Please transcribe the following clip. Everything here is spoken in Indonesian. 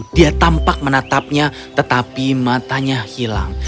dia tampak menatapnya tetapi matanya hilang